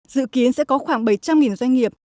dự kiến sẽ có khoảng bảy trăm linh doanh nghiệp